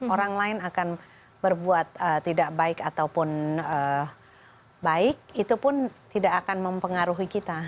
orang lain akan berbuat tidak baik ataupun baik itu pun tidak akan mempengaruhi kita